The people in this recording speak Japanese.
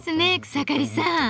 草刈さん。